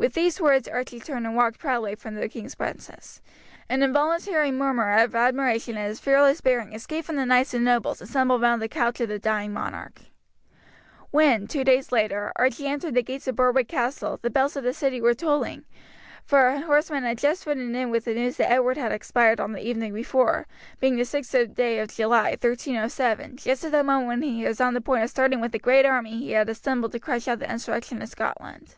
With these words Archie turned and walked proudly from the king's presence. An involuntary murmur of admiration at his fearless bearing escaped from the knights and nobles assembled round the couch of the dying monarch. When, two days later, Archie entered the gates of Berwick Castle the bells of the city were tolling, for a horseman had just ridden in with the news that Edward had expired on the evening before, being the 6th day of July, 1307, just at the moment when he was on the point of starting with the great army he had assembled to crush out the insurrection in Scotland.